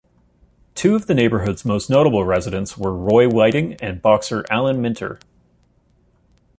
Two of the neighbourhood's most notable residents were Roy Whiting and boxer Alan Minter.